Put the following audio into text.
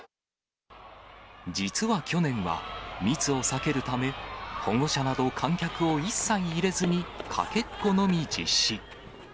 実は去年は、密を避けるため、保護者など観客を一切入れずに、かけっこのみ実施。